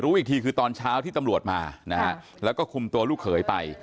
อีกทีคือตอนเช้าที่ตำรวจมานะฮะแล้วก็คุมตัวลูกเขยไป